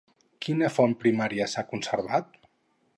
Quina font primària s'ha conservat?